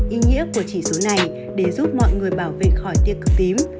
ý nghĩa của chỉ số này để giúp mọi người bảo vệ khỏi tiêu cực tím